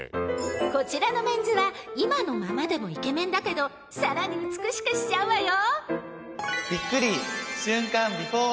［こちらのメンズは今のままでもイケメンだけどさらに美しくしちゃうわよ］